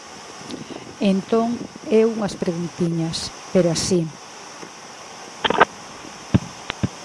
Entón, eu unhas preguntiñas, pero así.